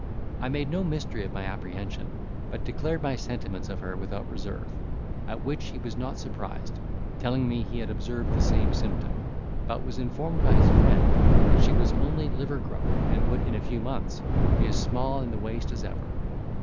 I made no mystery of my apprehension, but declared my sentiments of her without reserve; at which he was not surprised, telling me he had observed the same symptom, but was informed by his friend that she was only livergrown and would in few months be as small in the waist as ever.